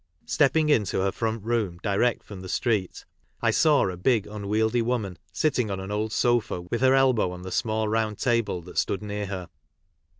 Stepping into her front room direct from the street, I saw a big unwieldy woman sitting on an old sofa with her elbow on the small round table that stood near her.